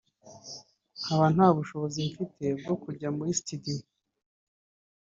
nkaba nta bushobozi mfite bwo kujya muri studio